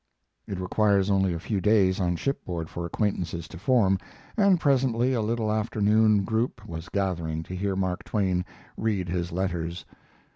It requires only a few days on shipboard for acquaintances to form, and presently a little afternoon group was gathering to hear Mark Twain read his letters.